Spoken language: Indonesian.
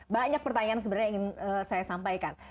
banyak pertanyaan sebenarnya ingin saya sampaikan